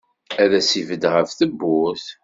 Ad as-ibedd ɣef tewwurt.